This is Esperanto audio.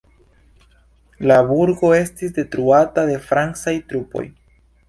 La burgo estis detruata de francaj trupoj.